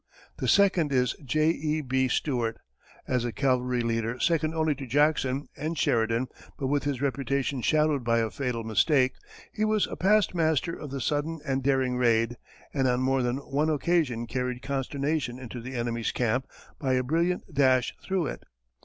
The second is J.E.B. Stuart, as a cavalry leader second only to Jackson, and Sheridan, but with his reputation shadowed by a fatal mistake. He was a past master of the sudden and daring raid, and on more than one occasion carried consternation into the enemy's camp by a brilliant dash through it.